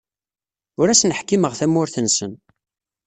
Ur asen-ḥkimeɣ tamurt-nsen.